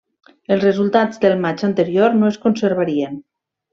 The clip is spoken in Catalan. Els resultats del matx anterior no es conservarien.